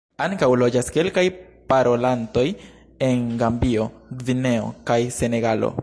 Ankaŭ loĝas kelkaj parolantoj en Gambio, Gvineo kaj Senegalo.